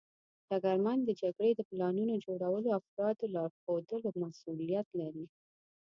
ډګرمن د جګړې د پلانونو جوړولو او د افرادو لارښودلو مسوولیت لري.